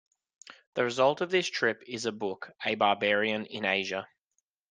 The result of this trip is the book "A Barbarian in Asia".